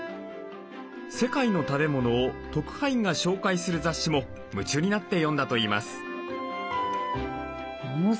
世界の食べ物を特派員が紹介する雑誌も夢中になって読んだといいます。